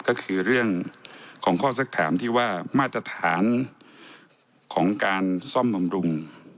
ก็คือเรื่องของข้อสักถามที่ว่ามาตรฐานของการซ่อมบำรุง